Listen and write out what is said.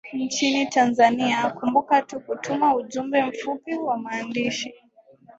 nchini tanzania kumbuka tu kutuma ujumbe mfupi wa maandishi